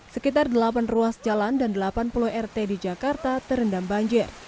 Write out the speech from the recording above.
sekitar delapan ruas jalan dan delapan puluh rt di jakarta terendam banjir